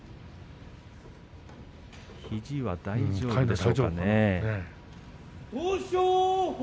肘は大丈夫でしょうか。